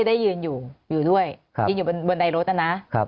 ได้ยืนอยู่อยู่ด้วยครับยืนอยู่บนบนใดรถน่ะนะครับ